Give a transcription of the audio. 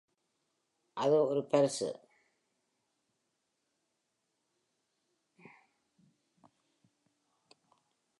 அது ஒரு பரிசு.